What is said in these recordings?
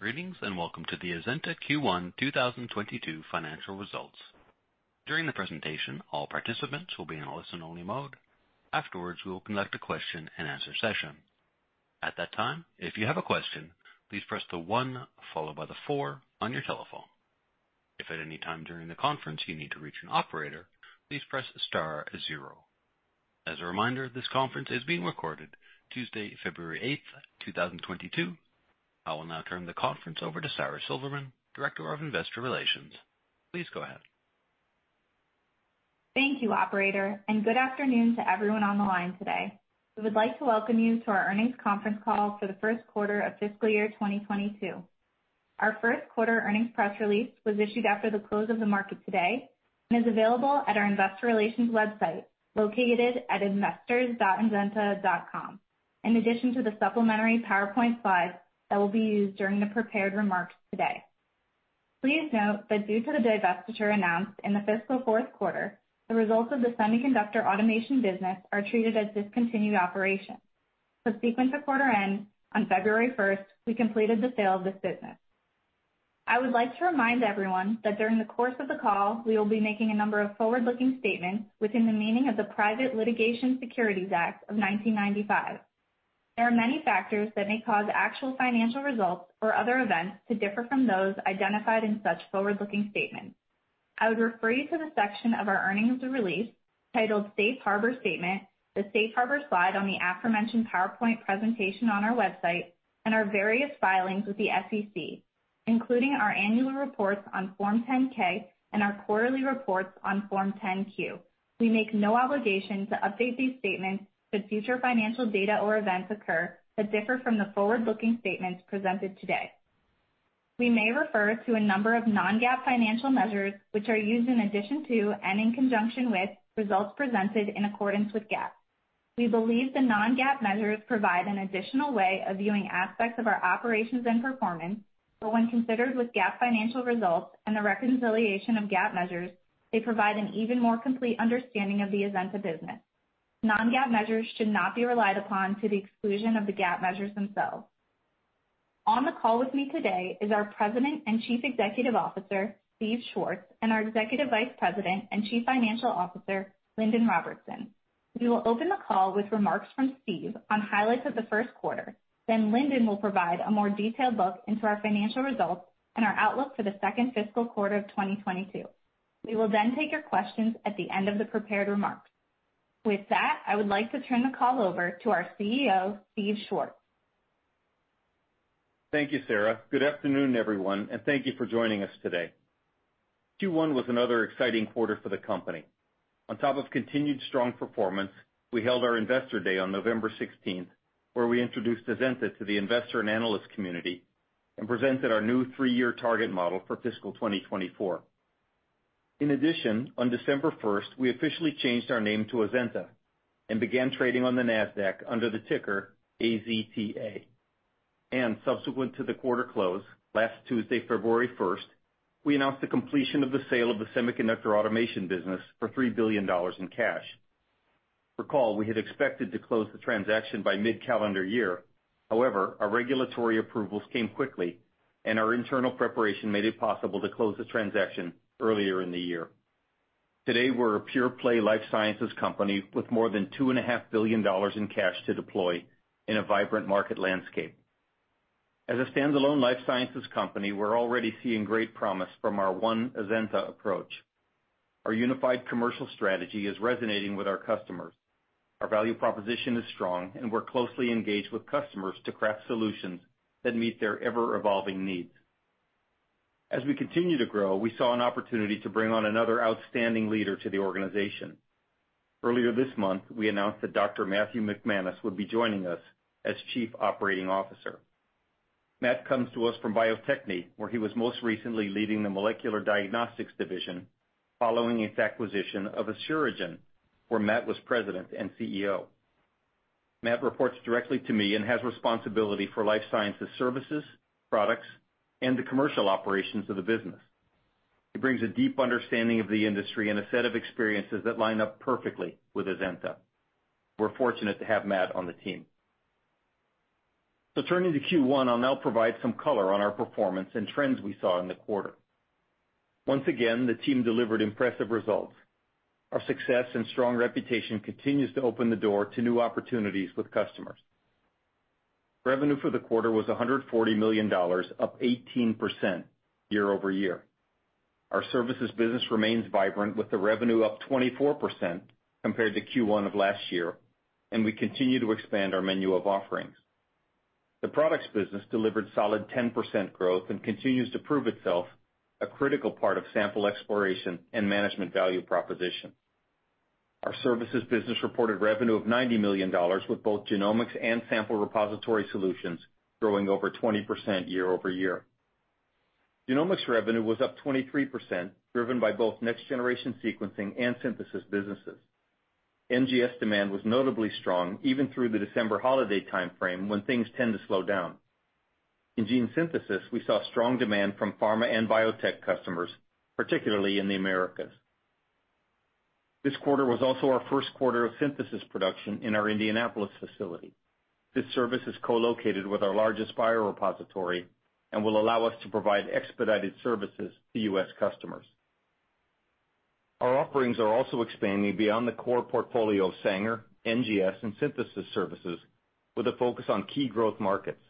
Greetings, and welcome to the Azenta Q1 2022 financial results. During the presentation, all participants will be in a listen-only mode. Afterwards, we will conduct a question-and-answer session. At that time, if you have a question, please press one followed by four on your telephone. If at any time during the conference you need to reach an operator, please press star zero. As a reminder, this conference is being recorded Tuesday, February 8, 2022. I will now turn the conference over to Sara Silverman, Director of Investor Relations. Please go ahead. Thank you, operator, and good afternoon to everyone on the line today. We would like to welcome you to our earnings conference call for the first quarter of fiscal year 2022. Our first quarter earnings press release was issued after the close of the market today and is available at our investor relations website, located at investors.azenta.com, in addition to the supplementary PowerPoint slides that will be used during the prepared remarks today. Please note that due to the divestiture announced in the fiscal fourth quarter, the results of the semiconductor automation business are treated as discontinued operations. Subsequent to quarter end, on February first, we completed the sale of this business. I would like to remind everyone that during the course of the call, we will be making a number of forward-looking statements within the meaning of the Private Securities Litigation Reform Act of 1995. There are many factors that may cause actual financial results or other events to differ from those identified in such forward-looking statements. I would refer you to the section of our earnings release titled Safe Harbor Statement, the Safe Harbor slide on the aforementioned PowerPoint presentation on our website, and our various filings with the SEC, including our annual reports on Form 10-K and our quarterly reports on Form 10-Q. We make no obligation to update these statements should future financial data or events occur that differ from the forward-looking statements presented today. We may refer to a number of non-GAAP financial measures, which are used in addition to and in conjunction with results presented in accordance with GAAP. We believe the non-GAAP measures provide an additional way of viewing aspects of our operations and performance, but when considered with GAAP financial results and the reconciliation of GAAP measures, they provide an even more complete understanding of the Azenta business. Non-GAAP measures should not be relied upon to the exclusion of the GAAP measures themselves. On the call with me today is our President and Chief Executive Officer, Steve Schwartz, and our Executive Vice President and Chief Financial Officer, Lindon Robertson. We will open the call with remarks from Steve on highlights of the first quarter. Then Lindon will provide a more detailed look into our financial results and our outlook for the second fiscal quarter of 2022. We will then take your questions at the end of the prepared remarks. With that, I would like to turn the call over to our CEO, Steve Schwartz. Thank you, Sara. Good afternoon, everyone, and thank you for joining us today. Q1 was another exciting quarter for the company. On top of continued strong performance, we held our Investor Day on November 16th, where we introduced Azenta to the investor and analyst community and presented our new three-year target model for fiscal 2024. In addition, on December 1st, we officially changed our name to Azenta and began trading on the Nasdaq under the ticker AZTA. Subsequent to the quarter close, last Tuesday, February 1st, we announced the completion of the sale of the semiconductor automation business for $3 billion in cash. Recall, we had expected to close the transaction by mid-calendar year. However, our regulatory approvals came quickly, and our internal preparation made it possible to close the transaction earlier in the year. Today, we're a pure-play life sciences company with more than $2.5 billion in cash to deploy in a vibrant market landscape. As a standalone life sciences company, we're already seeing great promise from our One Azenta approach. Our unified commercial strategy is resonating with our customers. Our value proposition is strong, and we're closely engaged with customers to craft solutions that meet their ever-evolving needs. As we continue to grow, we saw an opportunity to bring on another outstanding leader to the organization. Earlier this month, we announced that Dr. Matthew McManus would be joining us as Chief Operating Officer. Matt comes to us from Bio-Techne, where he was most recently leading the molecular diagnostics division following its acquisition of Asuragen, where Matt was President and CEO. Matt reports directly to me and has responsibility for life sciences services, products, and the commercial operations of the business. He brings a deep understanding of the industry and a set of experiences that line up perfectly with Azenta. We're fortunate to have Matt on the team. Turning to Q1, I'll now provide some color on our performance and trends we saw in the quarter. Once again, the team delivered impressive results. Our success and strong reputation continues to open the door to new opportunities with customers. Revenue for the quarter was $140 million, up 18% year-over-year. Our services business remains vibrant, with the revenue up 24% compared to Q1 of last year, and we continue to expand our menu of offerings. The products business delivered solid 10% growth and continues to prove itself a critical part of sample exploration and management value proposition. Our services business reported revenue of $90 million, with both genomics and sample repository solutions growing over 20% year-over-year. Genomics revenue was up 23%, driven by both next-generation sequencing and synthesis businesses. NGS demand was notably strong, even through the December holiday timeframe when things tend to slow down. In gene synthesis, we saw strong demand from pharma and biotech customers, particularly in the Americas. This quarter was also our first quarter of synthesis production in our Indianapolis facility. This service is co-located with our largest biorepository, and will allow us to provide expedited services to U.S. customers. Our offerings are also expanding beyond the core portfolio of Sanger, NGS, and synthesis services, with a focus on key growth markets.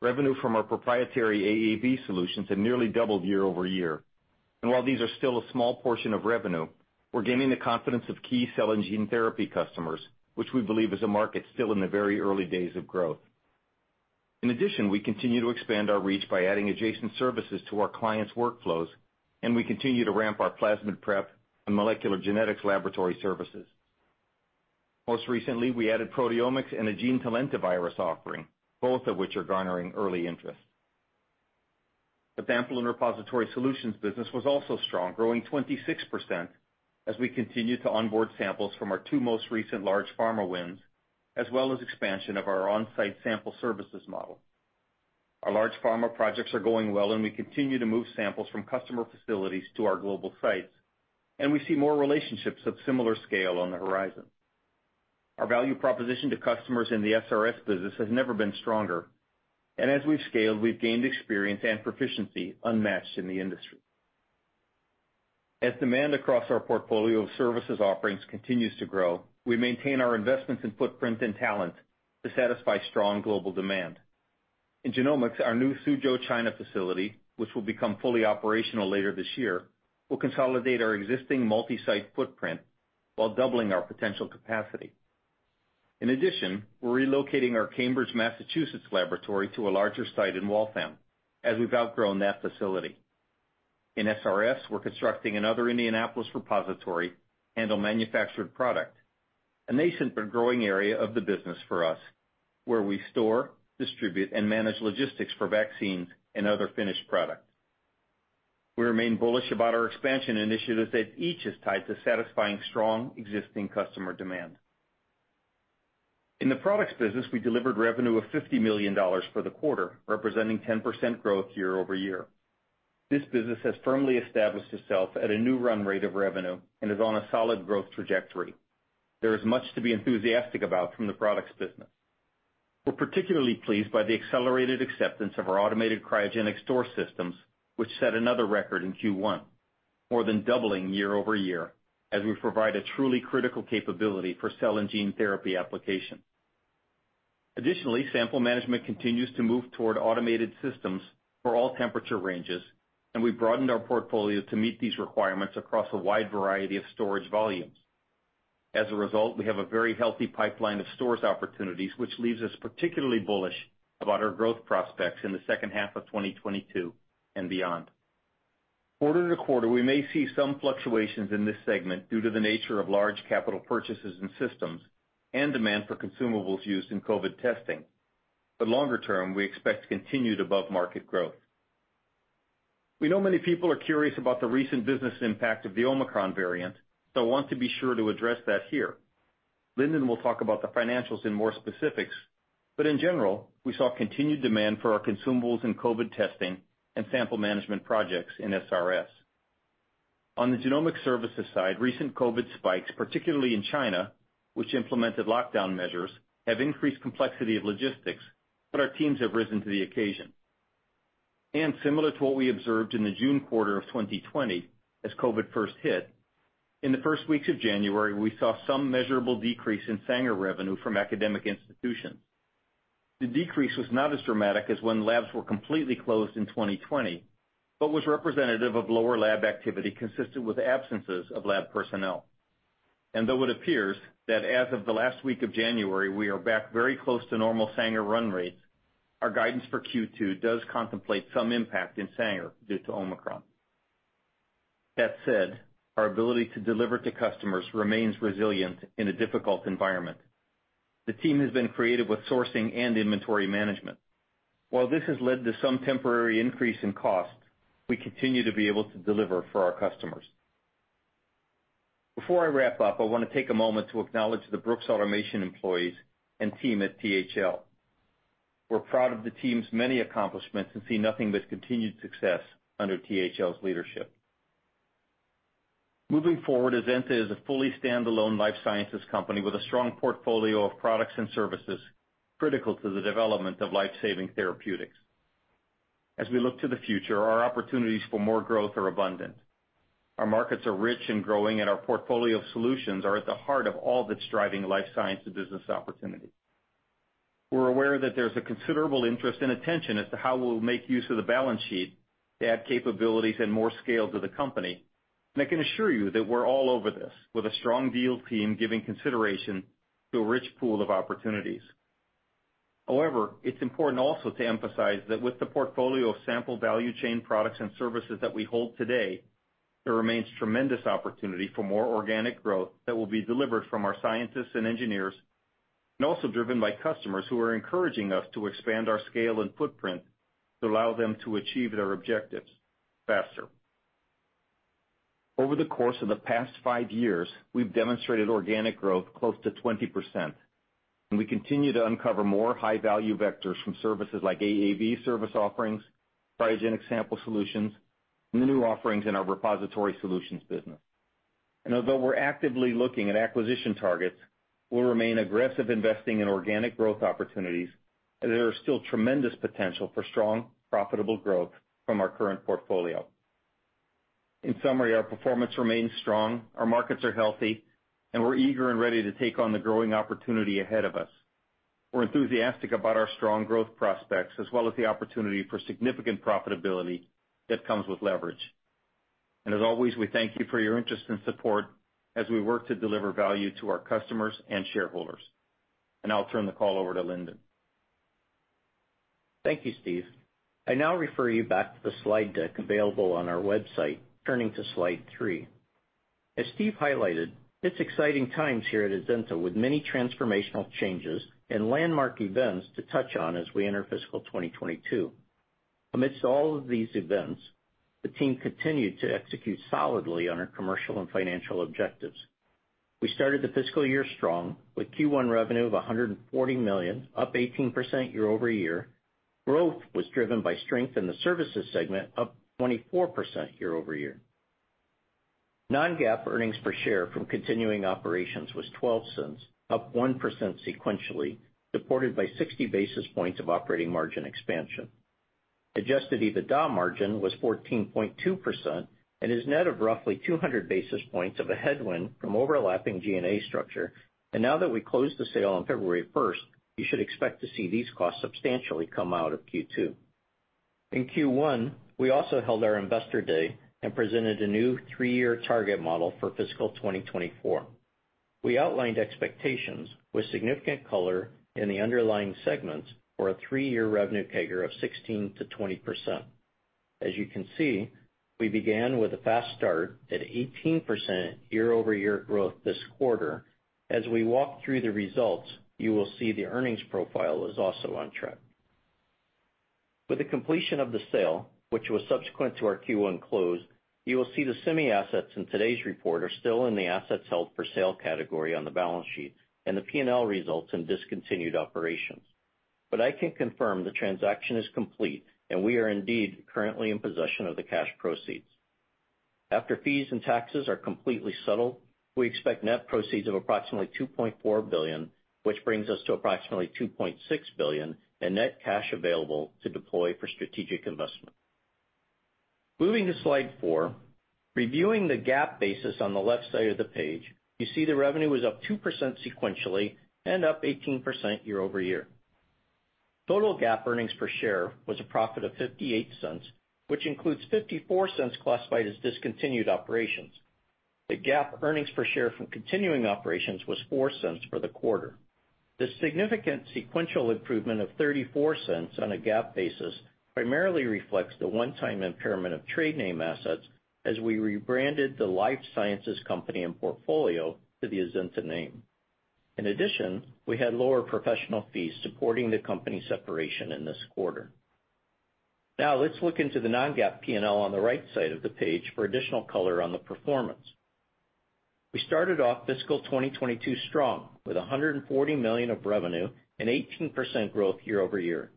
Revenue from our proprietary AAV solutions has nearly doubled year-over-year. While these are still a small portion of revenue, we're gaining the confidence of key cell and gene therapy customers, which we believe is a market still in the very early days of growth. In addition, we continue to expand our reach by adding adjacent services to our clients' workflows, and we continue to ramp our plasmid prep and molecular genetics laboratory services. Most recently, we added proteomics and a gene-to-virus offering, both of which are garnering early interest. The sample and repository solutions business was also strong, growing 26% as we continue to onboard samples from our two most recent large pharma wins, as well as expansion of our on-site sample services model. Our large pharma projects are going well, and we continue to move samples from customer facilities to our global sites, and we see more relationships of similar scale on the horizon. Our value proposition to customers in the SRS business has never been stronger, and as we've scaled, we've gained experience and proficiency unmatched in the industry. As demand across our portfolio of services offerings continues to grow, we maintain our investments in footprint and talent to satisfy strong global demand. In genomics, our new Suzhou, China facility, which will become fully operational later this year, will consolidate our existing multi-site footprint while doubling our potential capacity. In addition, we're relocating our Cambridge, Massachusetts laboratory to a larger site in Waltham, as we've outgrown that facility. In SRS, we're constructing another Indianapolis repository to handle manufactured product, a nascent but growing area of the business for us, where we store, distribute, and manage logistics for vaccines and other finished product. We remain bullish about our expansion initiatives that each is tied to satisfying strong existing customer demand. In the products business, we delivered revenue of $50 million for the quarter, representing 10% growth year-over-year. This business has firmly established itself at a new run rate of revenue and is on a solid growth trajectory. There is much to be enthusiastic about from the products business. We're particularly pleased by the accelerated acceptance of our automated cryogenic store systems, which set another record in Q1, more than doubling year-over-year, as we provide a truly critical capability for cell and gene therapy application. Additionally, sample management continues to move toward automated systems for all temperature ranges, and we've broadened our portfolio to meet these requirements across a wide variety of storage volumes. As a result, we have a very healthy pipeline of storage opportunities, which leaves us particularly bullish about our growth prospects in the second half of 2022 and beyond. Quarter-to-quarter, we may see some fluctuations in this segment due to the nature of large capital purchases and systems and demand for consumables used in COVID testing. Longer term, we expect continued above-market growth. We know many people are curious about the recent business impact of the Omicron variant, so I want to be sure to address that here. Lindon will talk about the financials in more specifics, but in general, we saw continued demand for our consumables in COVID testing and sample management projects in SRS. On the genomic services side, recent COVID spikes, particularly in China, which implemented lockdown measures, have increased complexity of logistics, but our teams have risen to the occasion. Similar to what we observed in the June quarter of 2020, as COVID first hit, in the first weeks of January, we saw some measurable decrease in Sanger revenue from academic institutions. The decrease was not as dramatic as when labs were completely closed in 2020, but was representative of lower lab activity consistent with absences of lab personnel. Though it appears that as of the last week of January, we are back very close to normal Sanger run rates, our guidance for Q2 does contemplate some impact in Sanger due to Omicron. That said, our ability to deliver to customers remains resilient in a difficult environment. The team has been creative with sourcing and inventory management. While this has led to some temporary increase in cost, we continue to be able to deliver for our customers. Before I wrap up, I want to take a moment to acknowledge the Brooks Automation employees and team at THL. We're proud of the team's many accomplishments and see nothing but continued success under THL's leadership. Moving forward, Azenta is a fully standalone life sciences company with a strong portfolio of products and services critical to the development of life-saving therapeutics. As we look to the future, our opportunities for more growth are abundant. Our markets are rich and growing, and our portfolio of solutions are at the heart of all that's driving life sciences business opportunities. We're aware that there's a considerable interest and attention as to how we'll make use of the balance sheet to add capabilities and more scale to the company, and I can assure you that we're all over this, with a strong deal team giving consideration to a rich pool of opportunities. However, it's important also to emphasize that with the portfolio of sample value chain products and services that we hold today, there remains tremendous opportunity for more organic growth that will be delivered from our scientists and engineers, and also driven by customers who are encouraging us to expand our scale and footprint to allow them to achieve their objectives faster. Over the course of the past five years, we've demonstrated organic growth close to 20%. We continue to uncover more high-value vectors from services like AAV service offerings, cryogenic sample solutions, and the new offerings in our repository solutions business. Although we're actively looking at acquisition targets, we'll remain aggressive investing in organic growth opportunities as there is still tremendous potential for strong, profitable growth from our current portfolio. In summary, our performance remains strong, our markets are healthy, and we're eager and ready to take on the growing opportunity ahead of us. We're enthusiastic about our strong growth prospects as well as the opportunity for significant profitability that comes with leverage. As always, we thank you for your interest and support as we work to deliver value to our customers and shareholders. I'll turn the call over to Lindon. Thank you, Steve. I now refer you back to the slide deck available on our website, turning to slide three. As Steve highlighted, it's exciting times here at Azenta, with many transformational changes and landmark events to touch on as we enter fiscal 2022. Amidst all of these events, the team continued to execute solidly on our commercial and financial objectives. We started the fiscal year strong, with Q1 revenue of $140 million, up 18% year-over-year. Growth was driven by strength in the services segment, up 24% year-over-year. Non-GAAP earnings per share from continuing operations was $0.12, up 1% sequentially, supported by 60 basis points of operating margin expansion. Adjusted EBITDA margin was 14.2% and is net of roughly 200 basis points of a headwind from overlapping G&A structure. Now that we closed the sale on February 1st, you should expect to see these costs substantially come out of Q2. In Q1, we also held our Investor Day and presented a new three-year target model for fiscal 2024. We outlined expectations with significant color in the underlying segments for a three-year revenue CAGR of 16%-20%. As you can see, we began with a fast start at 18% year-over-year growth this quarter. As we walk through the results, you will see the earnings profile is also on track. With the completion of the sale, which was subsequent to our Q1 close, you will see the semi assets in today's report are still in the assets held for sale category on the balance sheet and the P&L results in discontinued operations. I can confirm the transaction is complete, and we are indeed currently in possession of the cash proceeds. After fees and taxes are completely settled, we expect net proceeds of approximately $2.4 billion, which brings us to approximately $2.6 billion in net cash available to deploy for strategic investment. Moving to slide four. Reviewing the GAAP basis on the left side of the page, you see the revenue was up 2% sequentially and up 18% year-over-year. Total GAAP earnings per share was a profit of $0.58, which includes $0.54 classified as discontinued operations. The GAAP earnings per share from continuing operations was $0.04 for the quarter. This significant sequential improvement of $0.34 on a GAAP basis primarily reflects the one-time impairment of trade name assets as we rebranded the life sciences company and portfolio to the Azenta name. In addition, we had lower professional fees supporting the company separation in this quarter. Now let's look into the non-GAAP P&L on the right side of the page for additional color on the performance. We started off fiscal 2022 strong, with $140 million of revenue and 18% growth year-over-year.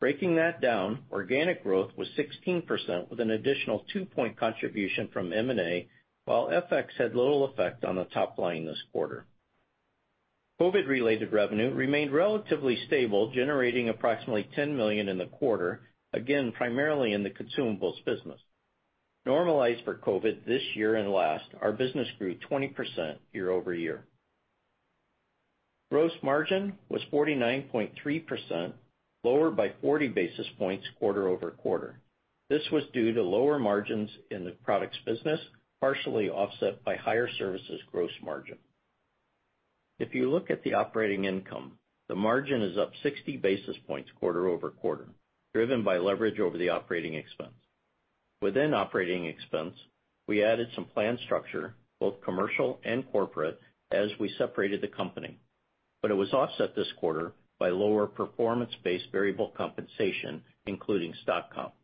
Breaking that down, organic growth was 16% with an additional 2% contribution from M&A, while FX had little effect on the top line this quarter. COVID-related revenue remained relatively stable, generating approximately $10 million in the quarter, again, primarily in the consumables business. Normalized for COVID, this year and last, our business grew 20% year-over-year. Gross margin was 49.3%, lower by 40 basis points quarter-over-quarter. This was due to lower margins in the products business, partially offset by higher services gross margin. If you look at the operating income, the margin is up 60 basis points quarter-over-quarter, driven by leverage over the operating expense. Within operating expense, we added some planned structure, both commercial and corporate, as we separated the company. It was offset this quarter by lower performance-based variable compensation, including stock comp.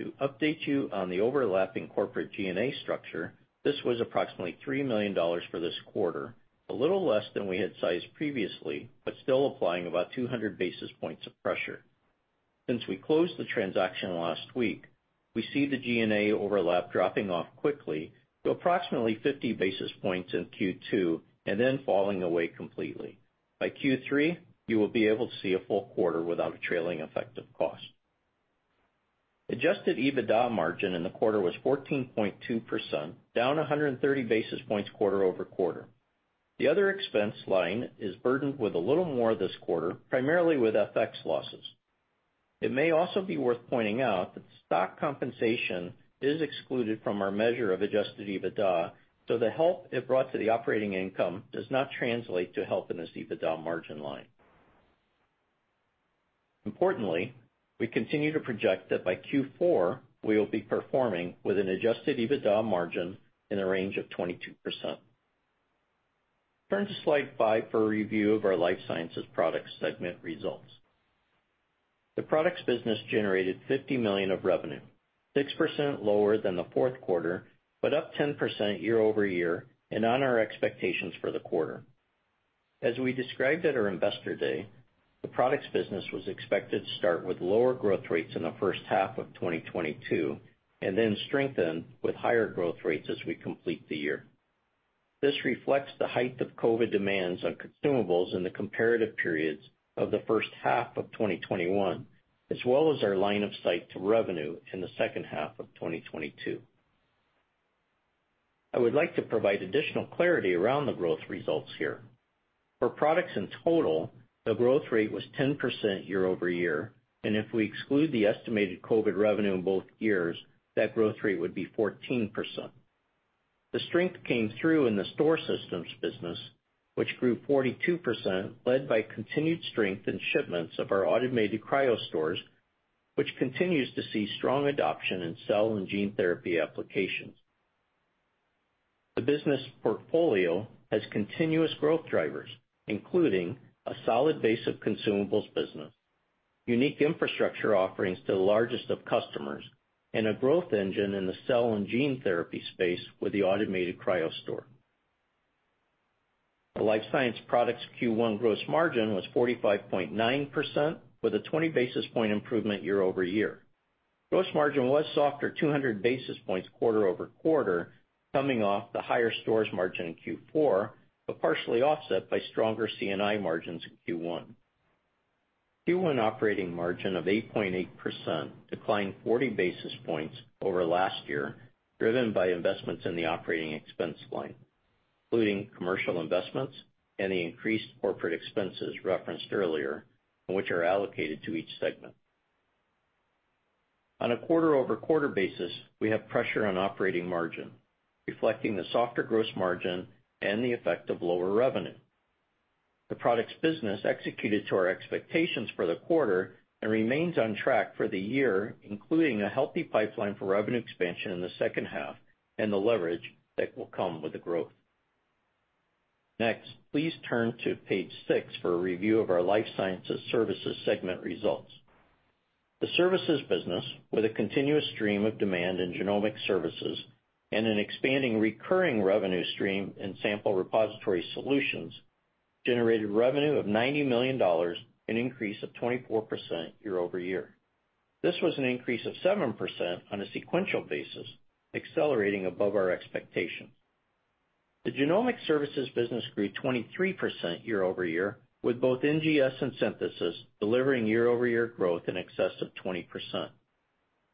To update you on the overlapping corporate G&A structure, this was approximately $3 million for this quarter, a little less than we had sized previously, but still applying about 200 basis points of pressure. Since we closed the transaction last week, we see the G&A overlap dropping off quickly to approximately 50 basis points in Q2 and then falling away completely. By Q3, you will be able to see a full quarter without a trailing effect of cost. Adjusted EBITDA margin in the quarter was 14.2%, down 130 basis points quarter-over-quarter. The other expense line is burdened with a little more this quarter, primarily with FX losses. It may also be worth pointing out that stock compensation is excluded from our measure of adjusted EBITDA, so the help it brought to the operating income does not translate to help in this EBITDA margin line. Importantly, we continue to project that by Q4, we will be performing with an adjusted EBITDA margin in the range of 22%. Turn to slide five for a review of our life sciences products segment results. The products business generated $50 million of revenue, 6% lower than the fourth quarter, but up 10% year-over-year and on our expectations for the quarter. As we described at our Investor Day, the products business was expected to start with lower growth rates in the first half of 2022, and then strengthen with higher growth rates as we complete the year. This reflects the height of COVID demands on consumables in the comparative periods of the first half of 2021, as well as our line of sight to revenue in the second half of 2022. I would like to provide additional clarity around the growth results here. For products in total, the growth rate was 10% year-over-year, and if we exclude the estimated COVID revenue in both years, that growth rate would be 14%. The strength came through in the store systems business, which grew 42%, led by continued strength in shipments of our automated cryostores, which continues to see strong adoption in cell and gene therapy applications. The business portfolio has continuous growth drivers, including a solid base of consumables business, unique infrastructure offerings to the largest of customers, and a growth engine in the cell and gene therapy space with the automated cryostore. Our life science products Q1 gross margin was 45.9% with a 20 basis point improvement year-over-year. Gross margin was softer 200 basis points quarter-over-quarter, coming off the higher stores margin in Q4, but partially offset by stronger C&I margins in Q1. Q1 operating margin of 8.8% declined 40 basis points over last year, driven by investments in the operating expense line, including commercial investments and the increased corporate expenses referenced earlier, which are allocated to each segment. On a quarter-over-quarter basis, we have pressure on operating margin, reflecting the softer gross margin and the effect of lower revenue. The products business executed to our expectations for the quarter and remains on track for the year, including a healthy pipeline for revenue expansion in the second half and the leverage that will come with the growth. Next, please turn to page six for a review of our Life Sciences Services segment results. The services business, with a continuous stream of demand in genomic services and an expanding recurring revenue stream in sample repository solutions, generated revenue of $90 million, an increase of 24% year-over-year. This was an increase of 7% on a sequential basis, accelerating above our expectations. The genomic services business grew 23% year-over-year, with both NGS and synthesis delivering year-over-year growth in excess of 20%.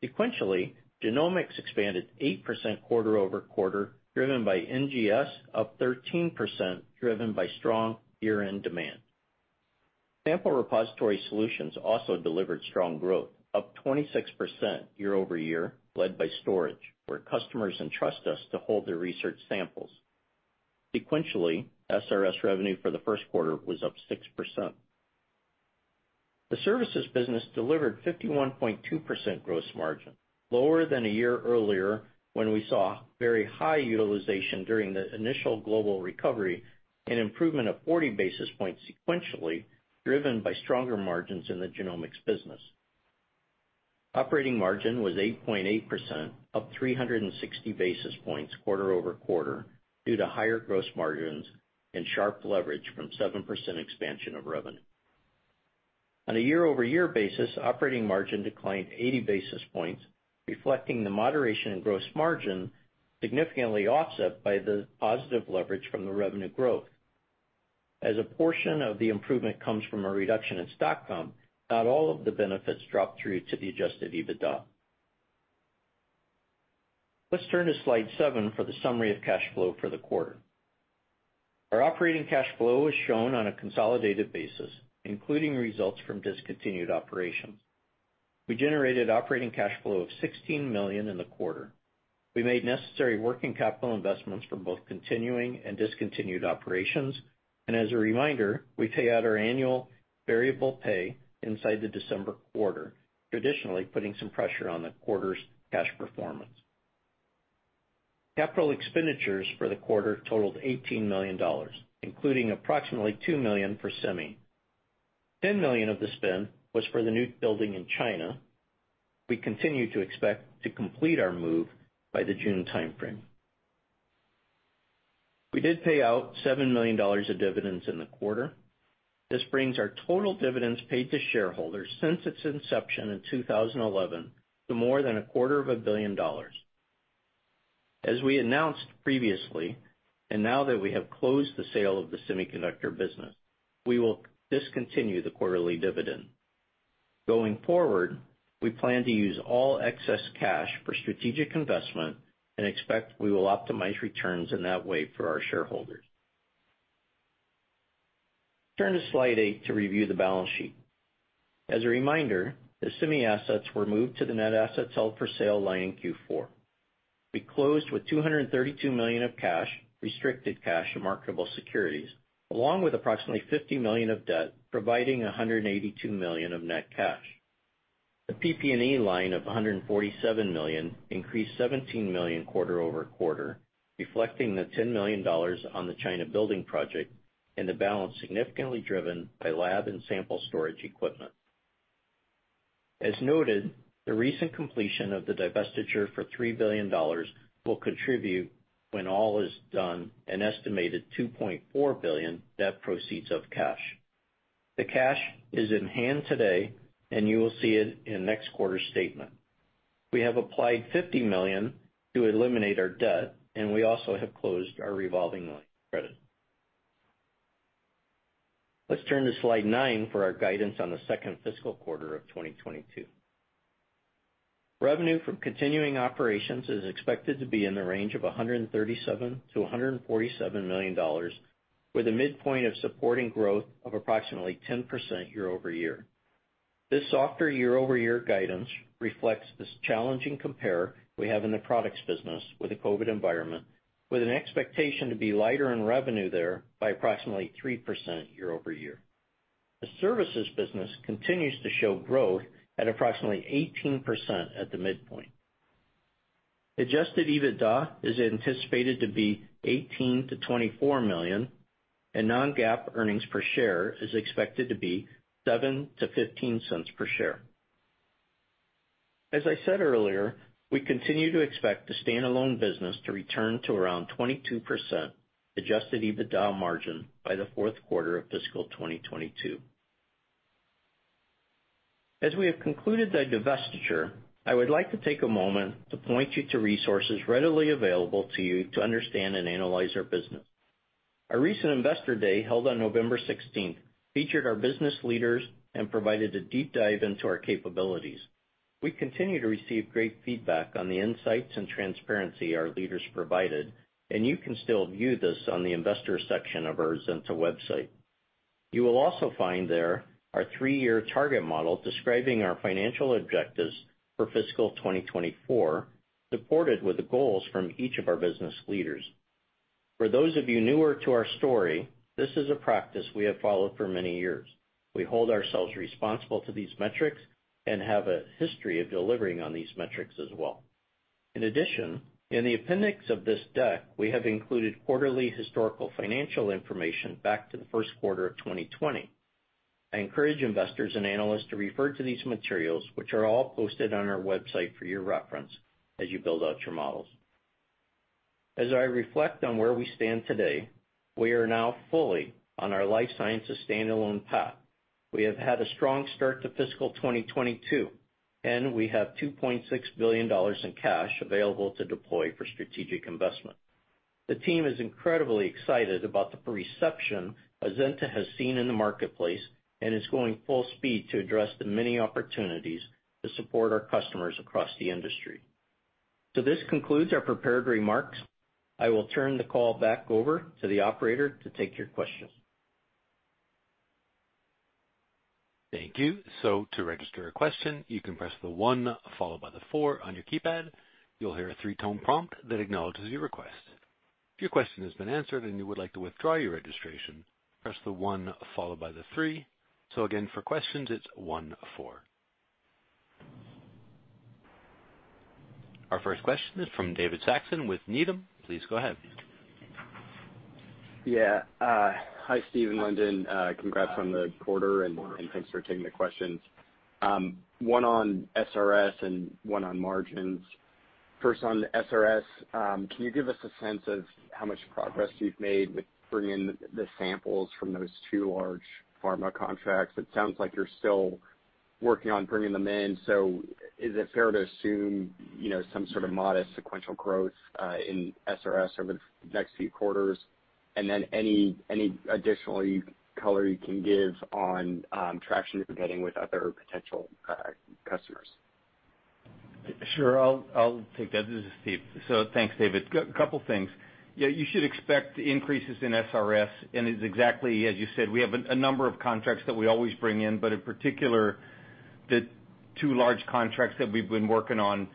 Sequentially, genomics expanded 8% quarter-over-quarter, driven by NGS up 13%, driven by strong year-end demand. Sample repository solutions also delivered strong growth, up 26% year-over-year, led by storage, where customers entrust us to hold their research samples. Sequentially, SRS revenue for the first quarter was up 6%. The services business delivered 51.2% gross margin, lower than a year earlier when we saw very high utilization during the initial global recovery, an improvement of 40 basis points sequentially, driven by stronger margins in the genomics business. Operating margin was 8.8%, up 360 basis points quarter-over-quarter due to higher gross margins and sharp leverage from 7% expansion of revenue. On a year-over-year basis, operating margin declined 80 basis points, reflecting the moderation in gross margin, significantly offset by the positive leverage from the revenue growth. As a portion of the improvement comes from a reduction in stock comp, not all of the benefits dropped through to the adjusted EBITDA. Let's turn to slide seven for the summary of cash flow for the quarter. Our operating cash flow is shown on a consolidated basis, including results from discontinued operations. We generated operating cash flow of $16 million in the quarter. We made necessary working capital investments from both continuing and discontinued operations. As a reminder, we pay out our annual variable pay inside the December quarter, traditionally putting some pressure on the quarter's cash performance. Capital expenditures for the quarter totaled $18 million, including approximately $2 million for semi. $10 million of the spend was for the new building in China. We continue to expect to complete our move by the June timeframe. We did pay out $7 million of dividends in the quarter. This brings our total dividends paid to shareholders since its inception in 2011 to more than a quarter of a billion dollars. As we announced previously, now that we have closed the sale of the semiconductor business, we will discontinue the quarterly dividend. Going forward, we plan to use all excess cash for strategic investment and expect we will optimize returns in that way for our shareholders. Turn to slide eight to review the balance sheet. As a reminder, the semi assets were moved to the net assets held for sale line in Q4. We closed with $232 million of cash, restricted cash, and marketable securities, along with approximately $50 million of debt, providing $182 million of net cash. The PP&E line of $147 million increased $17 million quarter-over-quarter, reflecting the $10 million on the China building project and the balance significantly driven by lab and sample storage equipment. As noted, the recent completion of the divestiture for $3 billion will contribute, when all is done, an estimated $2.4 billion net cash proceeds. The cash is in hand today, and you will see it in next quarter's statement. We have applied $50 million to eliminate our debt, and we also have closed our revolving line of credit. Let's turn to slide nine for our guidance on the second fiscal quarter of 2022. Revenue from continuing operations is expected to be in the range of $137 million-$147 million, with a midpoint of supporting growth of approximately 10% year-over-year. This softer year-over-year guidance reflects this challenging compare we have in the products business with a COVID environment, with an expectation to be lighter in revenue there by approximately 3% year-over-year. The services business continues to show growth at approximately 18% at the midpoint. Adjusted EBITDA is anticipated to be $18 million-$24 million, and non-GAAP earnings per share is expected to be $0.07-$0.15 per share. As I said earlier, we continue to expect the standalone business to return to around 22% adjusted EBITDA margin by the fourth quarter of fiscal 2022. As we have concluded the divestiture, I would like to take a moment to point you to resources readily available to you to understand and analyze our business. Our recent Investor Day, held on November 16th, featured our business leaders and provided a deep dive into our capabilities. We continue to receive great feedback on the insights and transparency our leaders provided, and you can still view this on the investor section of our Azenta website. You will also find there our three-year target model describing our financial objectives for fiscal 2024, supported with the goals from each of our business leaders. For those of you newer to our story, this is a practice we have followed for many years. We hold ourselves responsible to these metrics and have a history of delivering on these metrics as well. In addition, in the appendix of this deck, we have included quarterly historical financial information back to the first quarter of 2020. I encourage investors and analysts to refer to these materials, which are all posted on our website for your reference as you build out your models. As I reflect on where we stand today, we are now fully on our life sciences standalone path. We have had a strong start to fiscal 2022, and we have $2.6 billion in cash available to deploy for strategic investment. The team is incredibly excited about the perception Azenta has seen in the marketplace and is going full speed to address the many opportunities to support our customers across the industry. This concludes our prepared remarks. I will turn the call back over to the operator to take your questions. Thank you, so to register your question, you can press for one followed by the four on your keypad. You'll hear a three tone prompt then we will notice your request. Few question on the financer then you would like to withdraw your registration, press for one followed by the three. So again for the questions its one, four. Our first question is from David Saxon with Needham. Please go ahead. Yeah. Hi, Steve and Lindon. Congrats on the quarter and thanks for taking the questions. One on SRS and one on margins. First, on SRS, can you give us a sense of how much progress you've made with bringing the samples from those two large pharma contracts? It sounds like you're still working on bringing them in, so is it fair to assume, you know, some sort of modest sequential growth in SRS over the next few quarters? And then any additional color you can give on traction you're getting with other potential customers? Sure. I'll take that. This is Steve. Thanks, David. Couple things. Yeah, you should expect increases in SRS, and it's exactly as you said. We have a number of contracts that we always bring in, but in particular, the two large contracts that we've been working on.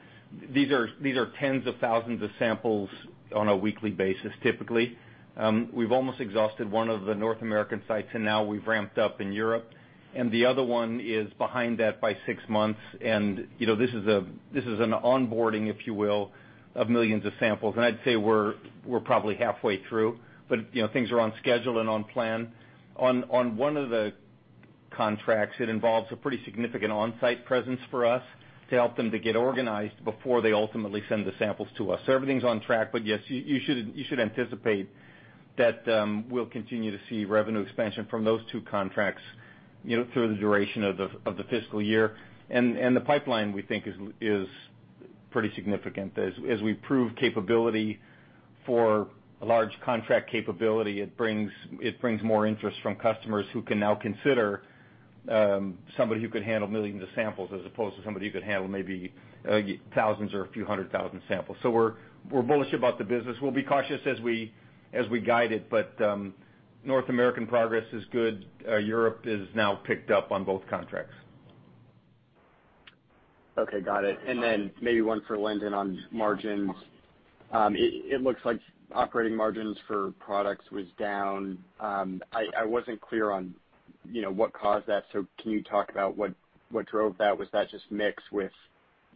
These are tens of thousands of samples on a weekly basis, typically. We've almost exhausted one of the North American sites, and now we've ramped up in Europe. The other one is behind that by six months. You know, this is an onboarding, if you will, of millions of samples. I'd say we're probably halfway through. You know, things are on schedule and on plan. On one of the contracts, it involves a pretty significant on-site presence for us to help them to get organized before they ultimately send the samples to us. Everything's on track, but yes, you should anticipate that we'll continue to see revenue expansion from those two contracts, you know, through the duration of the fiscal year. The pipeline, we think, is pretty significant. As we prove capability for a large contract capability, it brings more interest from customers who can now consider somebody who could handle millions of samples as opposed to somebody who could handle maybe thousands or a few hundred thousand samples. We're bullish about the business. We'll be cautious as we guide it, but North American progress is good. Europe has now picked up on both contracts. Okay, got it. Maybe one for Lindon on margins. It looks like operating margins for products was down. I wasn't clear on, you know, what caused that, so can you talk about what drove that? Was that just mix with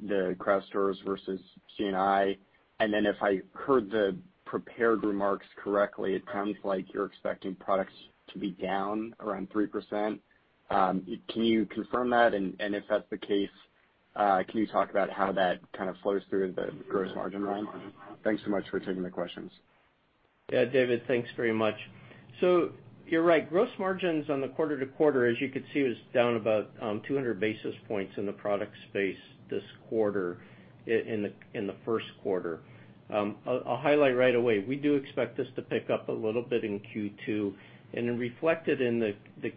the cryostores versus C&I? If I heard the prepared remarks correctly, it sounds like you're expecting products to be down around 3%. Can you confirm that? And if that's the case, can you talk about how that kind of flows through the gross margin line? Thanks so much for taking the questions. Yeah. David, thanks very much. You're right. Gross margins on the quarter-to-quarter, as you could see, was down about 200 basis points in the product space this quarter, in the first quarter. I'll highlight right away, we do expect this to pick up a little bit in Q2, and then reflected in the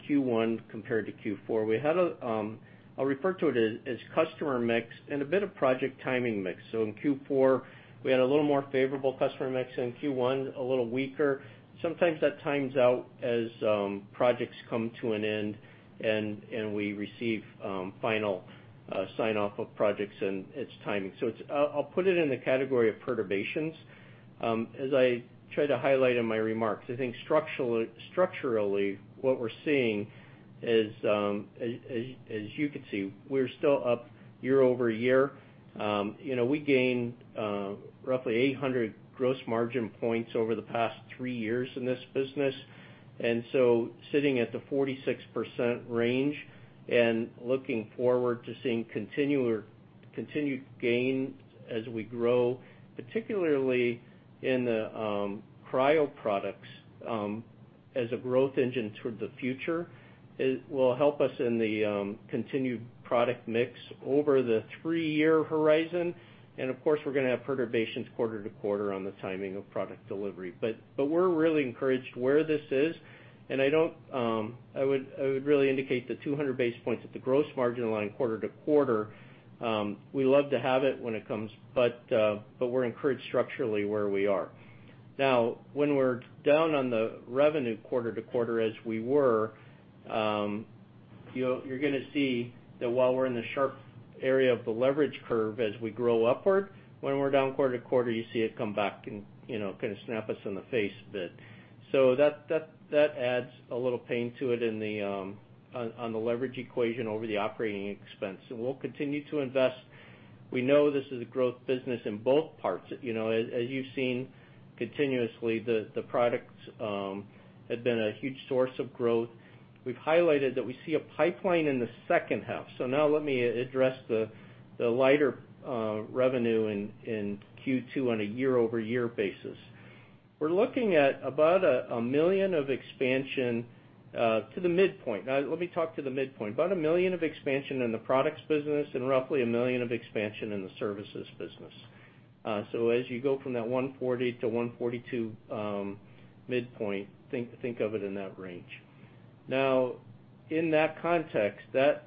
Q1 compared to Q4, I'll refer to it as customer mix and a bit of project timing mix. In Q4, we had a little more favorable customer mix, in Q1, a little weaker. Sometimes that times out as projects come to an end and we receive final sign-off of projects and its timing. It's. I'll put it in the category of perturbations. As I tried to highlight in my remarks, I think structurally, what we're seeing is, as you can see, we're still up year-over-year. You know, we gained roughly 800 gross margin points over the past three years in this business. Sitting at the 46% range and looking forward to seeing continual or continued gains as we grow, particularly in the cryo products, as a growth engine toward the future, it will help us in the continued product mix over the three-year horizon. Of course, we're gonna have perturbations quarter-to-quarter on the timing of product delivery. We're really encouraged where this is, and I would really indicate the 200 basis points at the gross margin line quarter-over-quarter. We love to have it when it comes, but we're encouraged structurally where we are. Now, when we're down on the revenue quarter-over-quarter as we were, you're gonna see that while we're in the sharp area of the leverage curve as we grow upward, when we're down quarter-over-quarter, you see it come back and, you know, kind of snap us in the face a bit. That adds a little pain to it in the on the leverage equation over the operating expense. We'll continue to invest. We know this is a growth business in both parts. You know, as you've seen continuously, the products have been a huge source of growth. We've highlighted that we see a pipeline in the second half. Now let me address the lighter revenue in Q2 on a year-over-year basis. We're looking at about $1 million of expansion to the midpoint. Now let me talk to the midpoint. About $1 million of expansion in the products business and roughly $1 million of expansion in the services business. As you go from that $140-$142 midpoint, think of it in that range. Now, in that context, that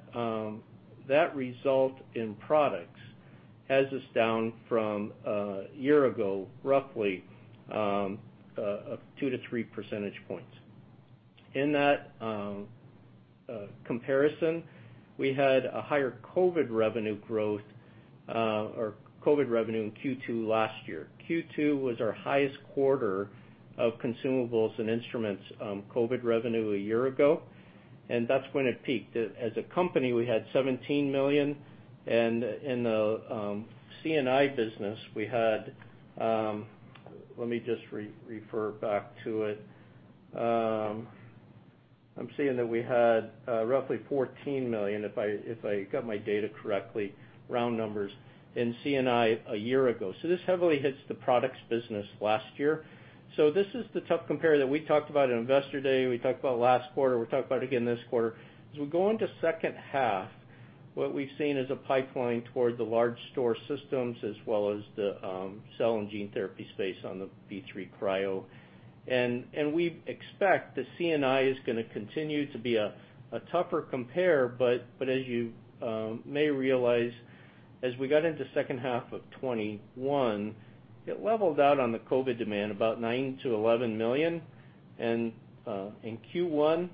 result in products has us down from a year ago, roughly 2-3 percentage points. In that comparison, we had a higher COVID revenue growth, or COVID revenue in Q2 last year. Q2 was our highest quarter of consumables and instruments, COVID revenue a year ago, and that's when it peaked. As a company, we had $17 million, and in the C&I business, we had... Let me just refer back to it. I'm seeing that we had roughly $14 million, if I got my data correctly, round numbers, in C&I a year ago. This heavily hits the products business last year. This is the tough compare that we talked about at Investor Day, we talked about last quarter, we talked about again this quarter. As we go into second half, what we've seen is a pipeline toward the large storage systems as well as the cell and gene therapy space on the B3 Cryo. We expect the C&I is gonna continue to be a tougher compare, but as you may realize, as we got into second half of 2021, it leveled out on the COVID demand about $9 million-$11 million. In Q1,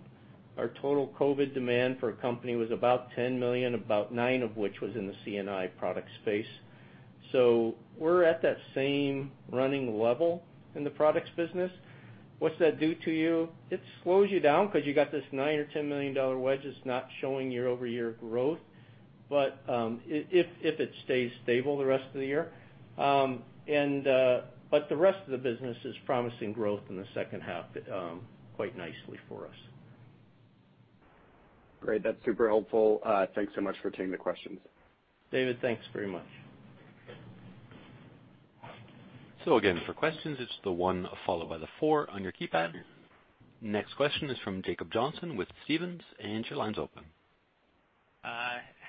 our total COVID demand for the company was about $10 million, about $9 million of which was in the C&I product space. We're at that same running level in the products business. What's that do to you? It slows you down because you got this $9 million or $10 million dollar wedge that's not showing year-over-year growth, but if it stays stable the rest of the year. The rest of the business is promising growth in the second half, quite nicely for us. Great. That's super helpful. Thanks so much for taking the questions. David, thanks very much. Again, for questions, it's the one followed by the four on your keypad. Next question is from Jacob Johnson with Stephens, and your line's open.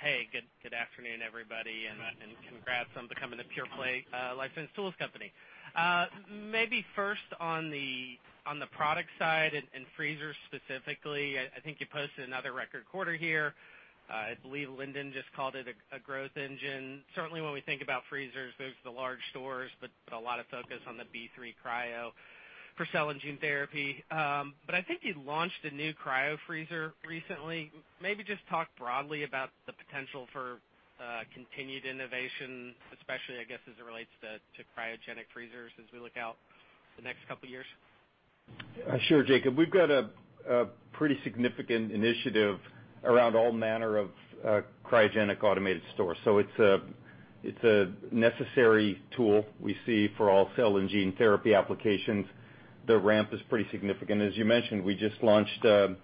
Hey, good afternoon, everybody, and congrats on becoming a pure play life science tools company. Maybe first on the product side and freezers specifically, I think you posted another record quarter here. I believe Lindon just called it a growth engine. Certainly when we think about freezers, those are the large stores, but a lot of focus on the B3 Cryo for cell and gene therapy. I think you launched a new cryo freezer recently. Maybe just talk broadly about the potential for continued innovation, especially, I guess, as it relates to cryogenic freezers as we look out the next couple years. Sure, Jacob. We've got a pretty significant initiative around all manner of cryogenic automated storage. It's a necessary tool we see for all cell and gene therapy applications. The ramp is pretty significant. As you mentioned, we just launched a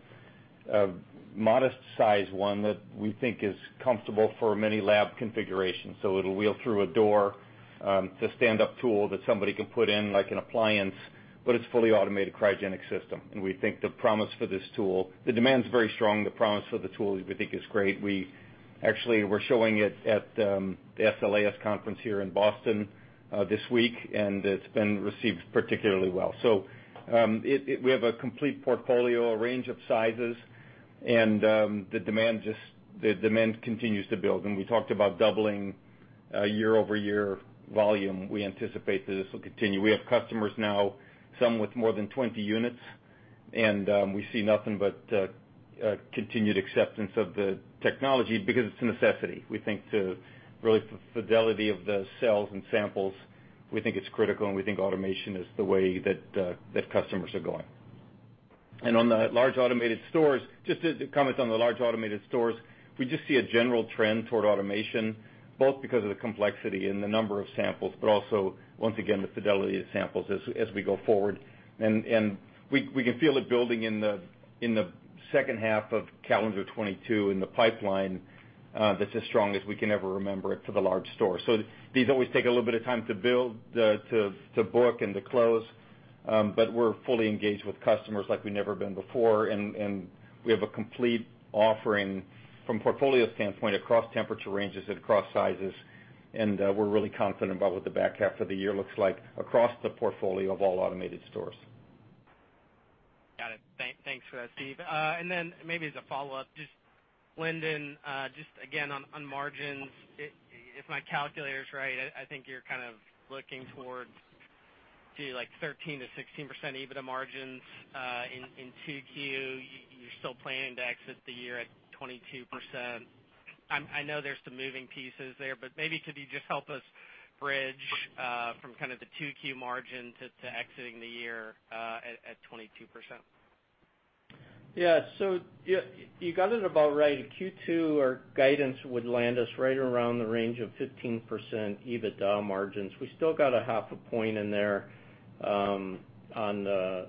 modest size one that we think is comfortable for many lab configurations. It'll wheel through a door. It's a standup tool that somebody can put in like an appliance, but it's fully automated cryogenic system. The demand's very strong. The promise for the tool we think is great. We actually were showing it at the SLAS conference here in Boston this week, and it's been received particularly well. We have a complete portfolio, a range of sizes, and the demand continues to build. We talked about doubling year-over-year volume. We anticipate that this will continue. We have customers now, some with more than 20 units, and we see nothing but continued acceptance of the technology because it's a necessity. We think to really, for fidelity of the cells and samples, we think it's critical, and we think automation is the way that customers are going. On the large automated stores, just to comment on the large automated stores, we just see a general trend toward automation, both because of the complexity and the number of samples, but also once again, the fidelity of samples as we go forward. We can feel it building in the second half of calendar 2022 in the pipeline, that's as strong as we can ever remember it for the large stores. These always take a little bit of time to build, to book and to close, but we're fully engaged with customers like we've never been before. We have a complete offering from portfolio standpoint across temperature ranges and across sizes. We're really confident about what the back half of the year looks like across the portfolio of all automated stores. Got it. Thanks for that, Steve. Maybe as a follow-up, just Lindon, just again on margins, if my calculator's right, I think you're kind of looking towards like 13%-16% EBITDA margins in 2Q. You're still planning to exit the year at 22%. I know there's some moving parts there, but maybe could you just help us bridge from kind of the 2Q margin to exiting the year at 22%. Yeah. You got it about right. In Q2, our guidance would land us right around the range of 15% EBITDA margins. We still got a half a point in there on the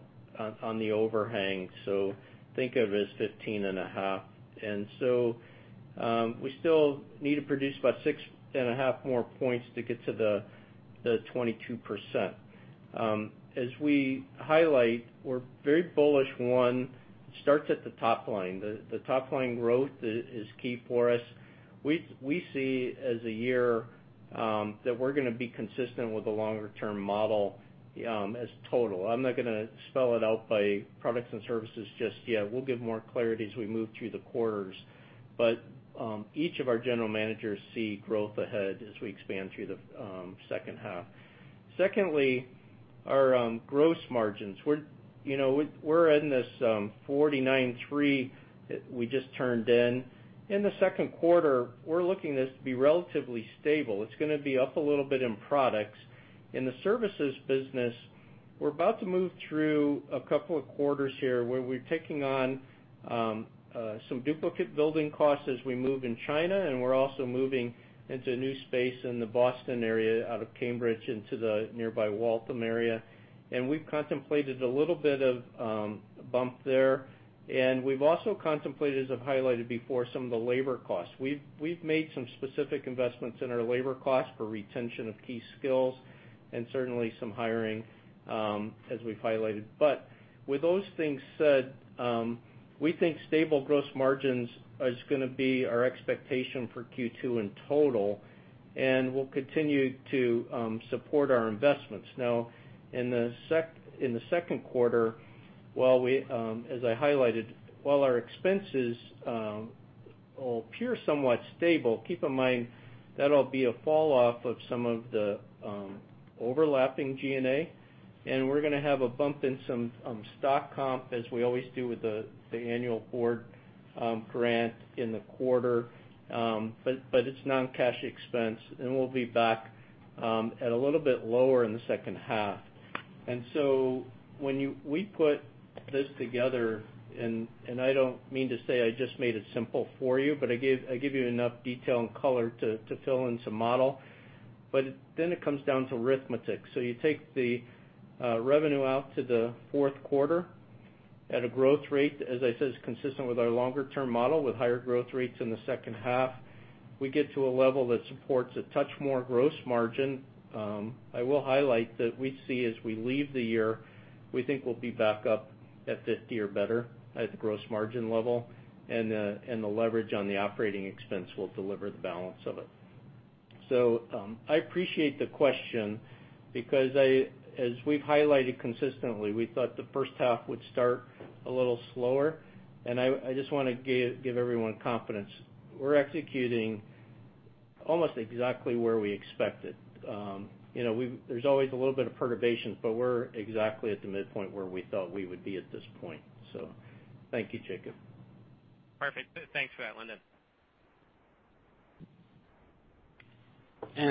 overhang. Think of it as 15.5%. We still need to produce about 6.5% more points to get to the 22%. As we highlight, we're very bullish. One, it starts at the top line. The top line growth is key for us. We see this as a year that we're gonna be consistent with the long-term model as a total. I'm not gonna spell it out by products and services just yet. We'll give more clarity as we move through the quarters. Each of our general managers see growth ahead as we expand through the second half. Secondly, our gross margins. We're, you know, we're in this 49.3% we just turned in. In the second quarter, we're looking for this to be relatively stable. It's gonna be up a little bit in products. In the services business, we're about to move through a couple of quarters here where we're taking on some duplicate building costs as we move in China, and we're also moving into a new space in the Boston area out of Cambridge into the nearby Waltham area. We've contemplated a little bit of bump there. We've also contemplated, as I've highlighted before, some of the labor costs. We've made some specific investments in our labor costs for retention of key skills and certainly some hiring, as we've highlighted. With those things said, we think stable gross margins is gonna be our expectation for Q2 in total, and we'll continue to support our investments. Now, in the second quarter, while we, as I highlighted, while our expenses will appear somewhat stable, keep in mind that'll be a fall off of some of the overlapping G&A, and we're gonna have a bump in some stock comp as we always do with the annual board grant in the quarter. It's non-cash expense, and we'll be back at a little bit lower in the second half. We put this together, and I don't mean to say I just made it simple for you, but I gave, I give you enough detail and color to fill in some model. Then it comes down to arithmetic. You take the revenue out to the fourth quarter at a growth rate, as I said, is consistent with our longer term model with higher growth rates in the second half. We get to a level that supports a touch more gross margin. I will highlight that we see as we leave the year, we think we'll be back up at 50 or better at the gross margin level, and the leverage on the operating expense will deliver the balance of it. I appreciate the question because as we've highlighted consistently, we thought the first half would start a little slower, and I just wanna give everyone confidence. We're executing almost exactly where we expected. You know, there's always a little bit of perturbation, but we're exactly at the midpoint where we thought we would be at this point. Thank you, Jacob. Perfect. Thanks for that, Lindon.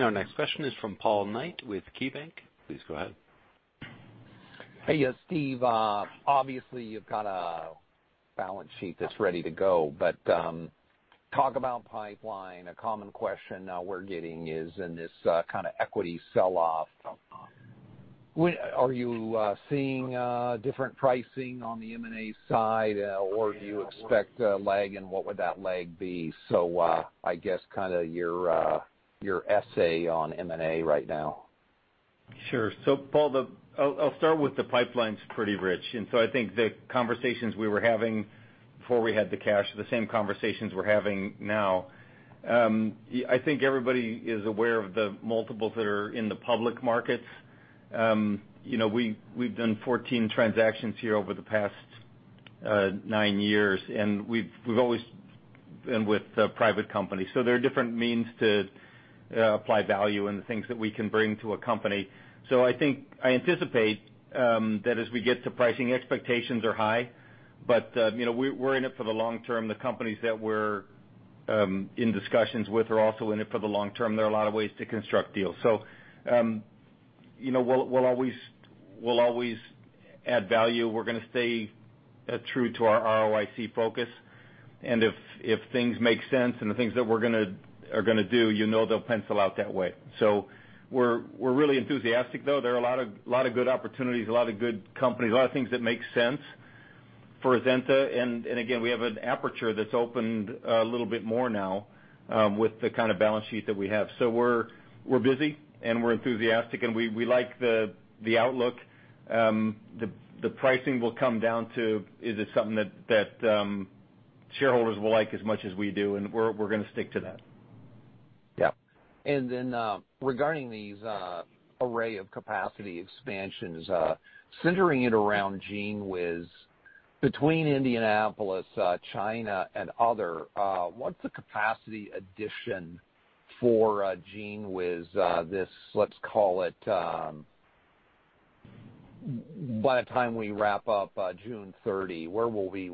Our next question is from Paul Knight with KeyBank. Please go ahead. Hey, Steve. Obviously, you've got a balance sheet that's ready to go, but talk about pipeline. A common question now we're getting is in this kinda equity sell-off, are you seeing different pricing on the M&A side? Or do you expect a lag, and what would that lag be? I guess kinda your essay on M&A right now. Sure. Paul, I'll start with the pipeline's pretty rich. I think the conversations we were having before we had the cash are the same conversations we're having now. I think everybody is aware of the multiples that are in the public markets. You know, we've done 14 transactions here over the past nine years, and we've always with a private company. There are different means to apply value and the things that we can bring to a company. I think I anticipate that as we get to pricing, expectations are high, but you know, we're in it for the long term. The companies that we're in discussions with are also in it for the long term. There are a lot of ways to construct deals. You know, we'll always add value. We're gonna stay true to our ROIC focus. If things make sense and the things that we're gonna do, you know they'll pencil out that way. We're really enthusiastic, though. There are a lot of good opportunities, a lot of good companies, a lot of things that make sense for Azenta. Again, we have an aperture that's opened a little bit more now, with the kind of balance sheet that we have. We're busy, and we're enthusiastic, and we like the outlook. The pricing will come down to is it something that shareholders will like as much as we do, and we're gonna stick to that. Yeah. Then, regarding this array of capacity expansions, centering it around GENEWIZ, between Indianapolis, China, and other, what's the capacity addition for GENEWIZ, this, let's call it, by the time we wrap up June 30, where will we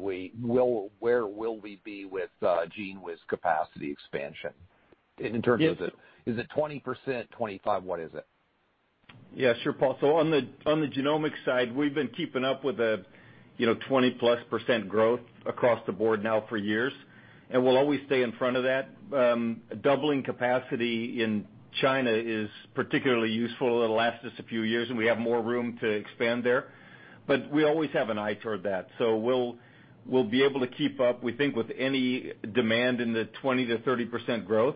be with GENEWIZ capacity expansion in terms of the- Yes. Is it 20%, 25%? What is it? Yeah, sure, Paul. On the genomics side, we've been keeping up with the, you know, 20%+ growth across the board now for years, and we'll always stay in front of that. Doubling capacity in China is particularly useful. It'll last us a few years, and we have more room to expand there. We always have an eye toward that. We'll be able to keep up, we think, with any demand in the 20%-30% growth.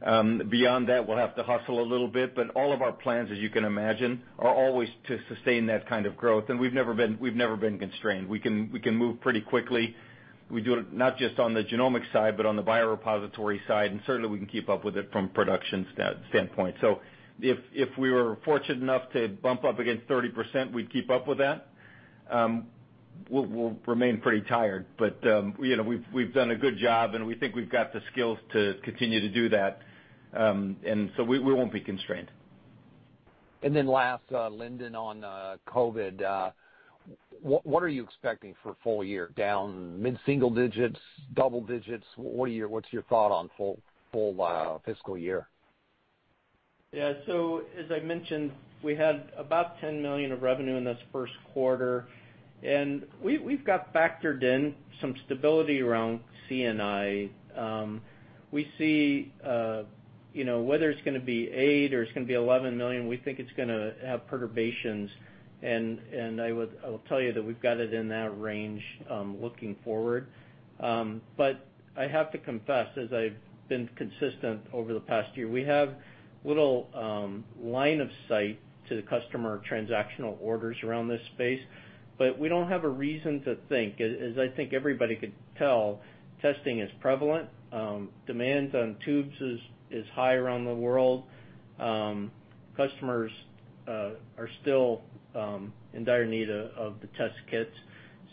Beyond that, we'll have to hustle a little bit. All of our plans, as you can imagine, are always to sustain that kind of growth, and we've never been constrained. We can move pretty quickly. We do it not just on the genomics side but on the biorepository side, and certainly we can keep up with it from a production standpoint. If we were fortunate enough to bump up against 30%, we'd keep up with that. We'll remain pretty tired, but you know, we've done a good job, and we think we've got the skills to continue to do that. We won't be constrained. Then last, Lindon, on COVID, what are you expecting for full year? Down mid-single digits, double digits? What's your thought on full fiscal year? Yeah. As I mentioned, we had about $10 million of revenue in this first quarter. We've got factored in some stability around C&I. We see, you know, whether it's gonna be $8 million or $11 million, we think it's gonna have perturbations. I will tell you that we've got it in that range, looking forward. I have to confess, as I've been consistent over the past year, we have little line of sight to the customer transactional orders around this space. We don't have a reason to think. As I think everybody could tell, testing is prevalent. Demand on tubes is high around the world. Customers are still in dire need of the test kits.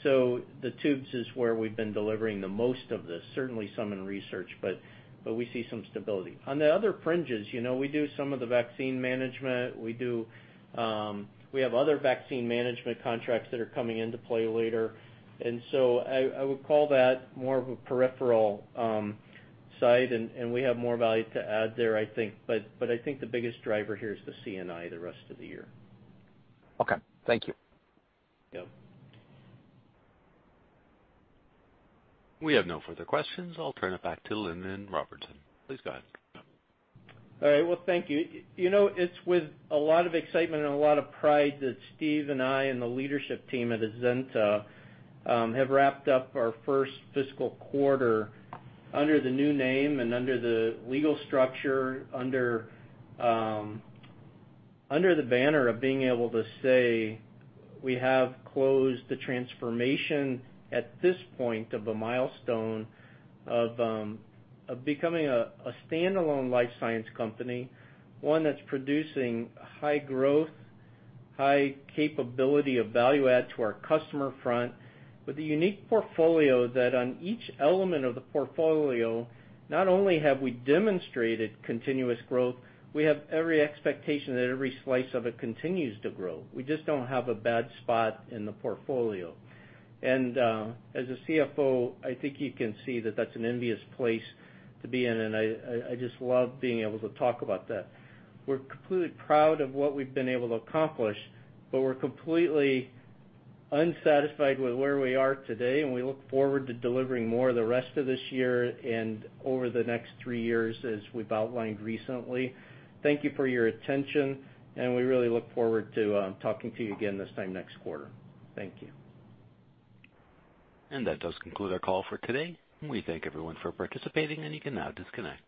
The tubes is where we've been delivering the most of this, certainly some in research, but we see some stability. On the other fringes, you know, we do some of the vaccine management. We have other vaccine management contracts that are coming into play later. I would call that more of a peripheral site, and we have more value to add there, I think. I think the biggest driver here is the C&I the rest of the year. Okay. Thank you. Yep. We have no further questions. I'll turn it back to Lindon Robertson. Please go ahead. All right. Well, thank you. You know, it's with a lot of excitement and a lot of pride that Steve and I and the leadership team at Azenta have wrapped up our first fiscal quarter under the new name and under the legal structure, under the banner of being able to say we have closed the transformation at this point of the milestone of becoming a standalone life science company. One that's producing high growth, high capability of value add to our customer front, with a unique portfolio that on each element of the portfolio, not only have we demonstrated continuous growth, we have every expectation that every slice of it continues to grow. We just don't have a bad spot in the portfolio. As a CFO, I think you can see that that's an envious place to be in, and I just love being able to talk about that. We're completely proud of what we've been able to accomplish, but we're completely unsatisfied with where we are today, and we look forward to delivering more the rest of this year and over the next three years as we've outlined recently. Thank you for your attention, and we really look forward to talking to you again this time next quarter. Thank you. That does conclude our call for today. We thank everyone for participating, and you can now disconnect.